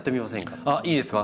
いいですか？